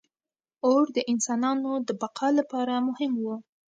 • اور د انسانانو د بقا لپاره مهم و.